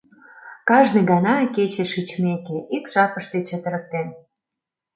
Кажне гана, кече шичмеке, ик жапыште чытырыктен.